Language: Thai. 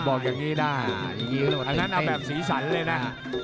บอกอย่างนี้ได้ใจกี๊แบบศีรีสันเลยนะ